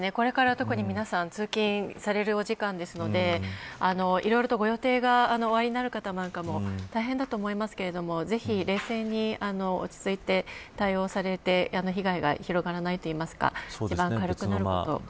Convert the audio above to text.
これから特に皆さん通勤されるお時間ですのでいろいろとご予定がおありにある方も大変だと思いますけどぜひ、冷静に落ち着いて対応されて被害が広がらないといいますか一番軽くなると。